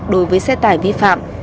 đối với xe tải vi phạm